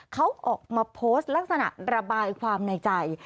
เขาออกมาโพสต์ลักษณะระบายความในใจ